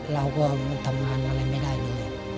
เรามันทำงานอะไรไม่ได้เลย